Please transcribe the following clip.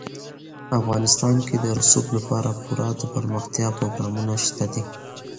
افغانستان کې د رسوب لپاره پوره دپرمختیا پروګرامونه شته دي.